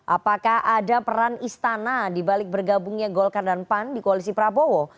apakah ada peran istana dibalik bergabungnya golkar dan pan di koalisi prabowo